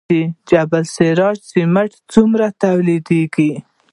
د جبل السراج سمنټ څومره تولیدیږي؟